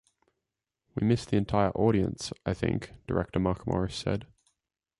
We missed the entire audience, I think, Director Mark Morris said.